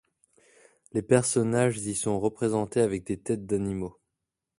Les personnages y sont représentés avec des têtes d'animaux.